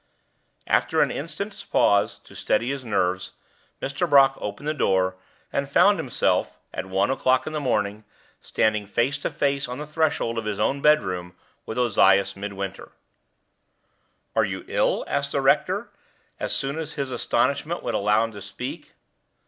After an instant's pause to steady his nerves, Mr. Brock opened the door, and found himself, at one o'clock in the morning, standing face to face on the threshold of his own bedroom with Ozias Midwinter. "Are you ill?" asked the rector, as soon as his astonishment would allow him to speak.